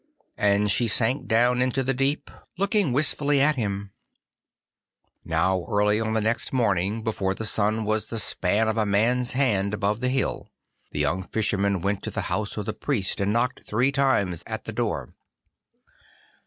And she sank down into the deep, looking wistfully at him. Now early on the next morning, before the sun was the span of a man's hand above the hill, the young Fisherman went to the house of the Priest and knocked three times at the door.